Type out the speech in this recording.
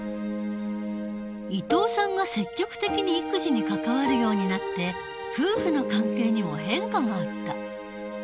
伊藤さんが積極的に育児に関わるようになって夫婦の関係にも変化があった。